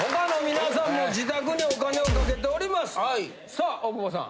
さあ大久保さん。